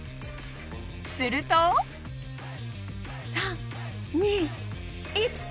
すると３・２・１。